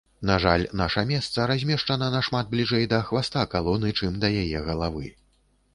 На жаль, наша месца размешчана нашмат бліжэй да хваста калоны, чым да яе галавы.